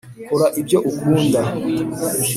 kora ibyo ukunda.